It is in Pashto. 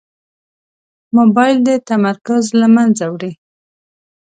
موبایل د تمرکز له منځه وړي.